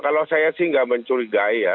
kalau saya sih nggak mencurigai ya